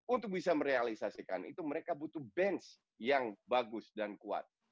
untuk bisa merealisasikan itu mereka butuh bench yang bagus dan kuat